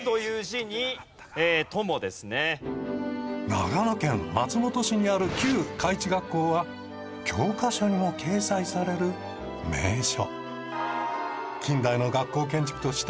長野県松本市にある旧開智学校は教科書にも掲載される名所。